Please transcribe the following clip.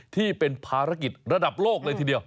ที่เป็นภารกิจระดับโลกเลยทีเดียว